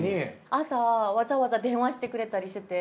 朝わざわざ電話してくれたりしてて。